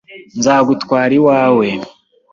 Nzagutwara iwawe.